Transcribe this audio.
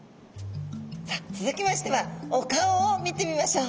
さっ続きましてはお顔を見てみましょう。